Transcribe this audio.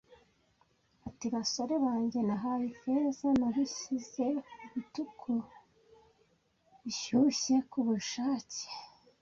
Ati: "Basore banjye, nahaye Ifeza. Nabishyize mubituku-bishyushye kubushake;